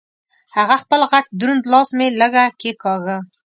هغه خپل غټ دروند لاس مې لږه کېګاږه.